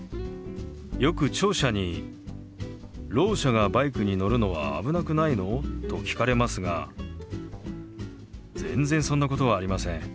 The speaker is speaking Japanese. よく聴者に「ろう者がバイクに乗るのは危なくないの？」と聞かれますが全然そんなことはありません。